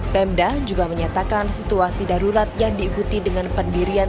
pemda juga menyatakan situasi darurat yang diikuti dengan pendirian